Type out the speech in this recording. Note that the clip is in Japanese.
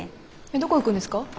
どこ行くんですか？